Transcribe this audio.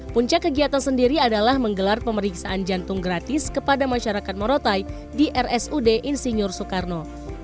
puncak kegiatan sendiri adalah menggelar pemeriksaan jantung gratis kepada masyarakat morotai di rsud insinyur soekarno